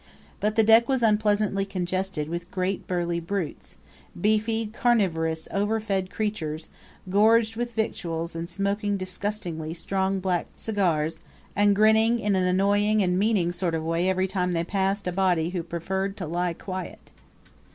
But the deck was unpleasantly congested with great burly brutes beefy, carnivorous, overfed creatures, gorged with victuals and smoking disgustingly strong black cigars, and grinning in an annoying and meaning sort of way every time they passed a body who preferred to lie quiet.